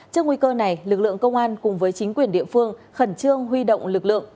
trước nguy cơ này lực lượng công an cùng với chính quyền địa phương khẩn trương huy động lực lượng